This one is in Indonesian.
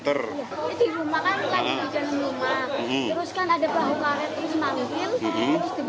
terus kan ada bahu karet terus nanggir terus dibahas ke sini